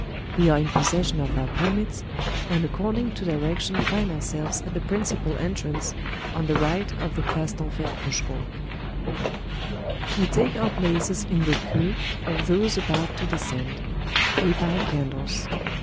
We are in possession of our permits," and according to direction find ourselves at the principal entrance on the right of the Place Denfert Rochereau. THE CATACOMBS OF PARIS 125 We take our places in the queue of those about to de scend. We buy candles.